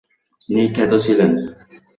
তিনি খ্যাত ছিলেন।